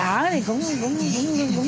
ở thì cũng rầu